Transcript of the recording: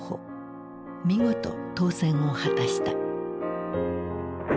見事当選を果たした。